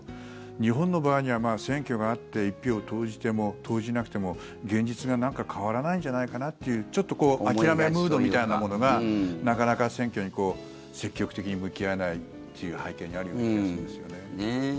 日本の場合には、選挙があって１票を投じても投じなくても現実が、なんか変わらないんじゃないかなっていうちょっと諦めムードみたいなものがなかなか選挙に積極的に向き合えないっていう背景にあるような気がするんですよね。